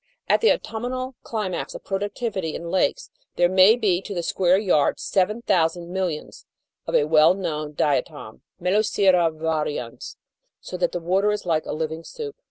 At the autumnal climax of productivity in lakes, there may be to the square yard 7,000 millions of a well known Diatom, Melosira varians, so that the water is like a living soup.